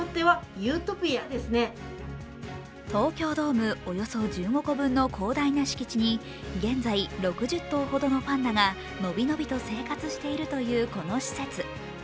東京ドームおよそ１５個分の広大な敷地に、現在、６０頭ほどのパンダがのびのびと生活しているというこの施設。